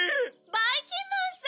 ばいきんまんさん！